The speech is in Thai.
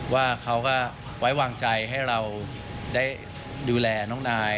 ว่าเขาก็ไว้วางใจให้เราได้ดูแลน้องนาย